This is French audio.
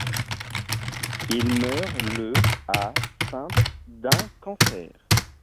Il meurt le à Saintes d'un cancer.